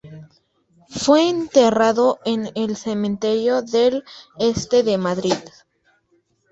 Fue enterrado en el cementerio del Este de Madrid.